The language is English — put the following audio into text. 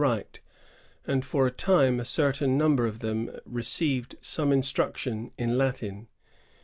[1663 176a write; and for a time a certain number of them received some instruction in Latin.